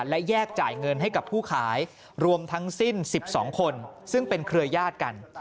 และแยกจ่ายเงินให้กับผู้ขายรวมทั้งสิ้น๑๒คนซึ่งเป็นเครือญาติกัน